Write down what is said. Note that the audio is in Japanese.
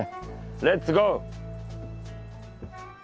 レッツゴー！